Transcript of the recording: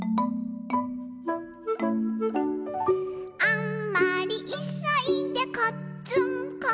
「あんまりいそいでこっつんこ」